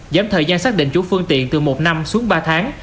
giảm thời gian xác định chủ phương tiện từ một năm xuống ba tháng